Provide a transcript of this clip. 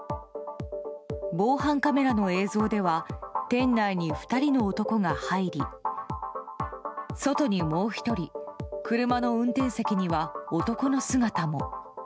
防犯カメラの映像では店内に２人の男が入り外にもう１人車の運転席には男の姿も。